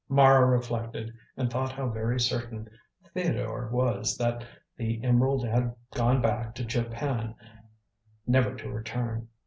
Mara reflected and thought how very certain Theodore was that the emerald had gone back to Japan never to return.